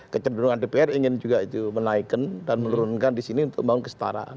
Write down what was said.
kecenderungan dpr ingin juga itu menaikkan dan menurunkan di sini untuk membangun kestaraan